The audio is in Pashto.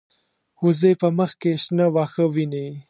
وزې په مخ کې شنه واښه ویني